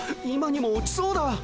今にも落ちそうだ。